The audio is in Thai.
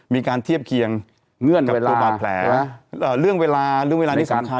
มีการเทียบเคียงเงื่อนกับตัวบาดแผลเรื่องเวลาเรื่องเวลานี้สำคัญ